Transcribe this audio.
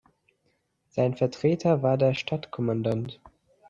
Sein Vertreter war der "Stadtkommandant".